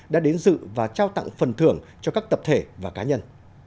đã đến dự và trao tặng phần thưởng cho các tập thể và cá nhân